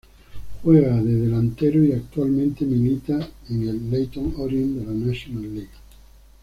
Juega de delantero y actualmente milita en el Leyton Orient de la National League.